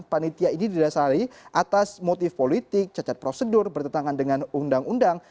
panitia ini didasari atas motif politik cacat prosedur bertentangan dengan undang undang